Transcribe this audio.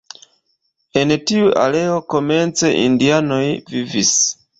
En tiu areo komence indianoj vivis.